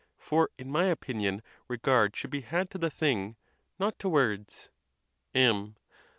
For, in my opinion, regard should be had to the thing, not to words. M.